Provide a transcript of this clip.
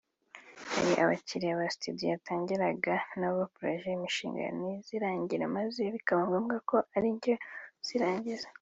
Hari abakiriya ba studio yatangiranaga na bo projects (imishinga) ntazirangize maze bikaba ngombwa ko ari njye uzirangiriza